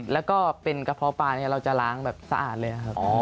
แล้วก็เป็นกระเพาะปลาเนี่ยเราจะล้างแบบสะอาดเลยครับ